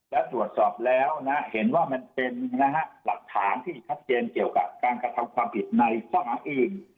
และตรวจสอบแล้วนะเห็นว่ามันเป็นหลักฐานที่ชัดเจนเกี่ยวกับการกระทำความผิดในข้อหาอื่น